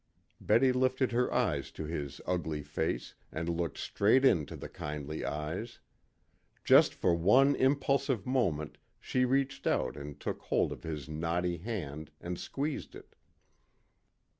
Betty lifted her eyes to his ugly face and looked straight into the kindly eyes. Just for one impulsive moment she reached out and took hold of his knotty hand and squeezed it.